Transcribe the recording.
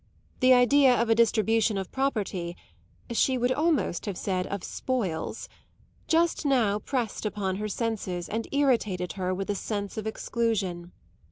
The idea of a distribution of property she would almost have said of spoils just now pressed upon her senses and irritated her with a sense of exclusion.